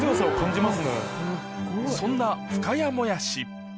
そんな深谷もやし